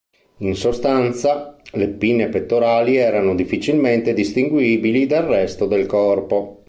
In sostanza, le pinne pettorali erano difficilmente distinguibili dal resto del corpo.